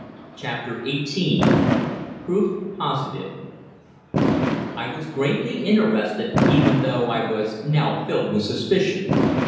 CHAPTER EIGHTEEN PROOF POSITIVE I was greatly interested, even though I was now filled with suspicion.